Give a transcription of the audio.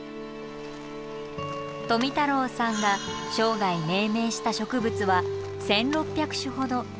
富太郎さんが生涯命名した植物は１，６００種ほど。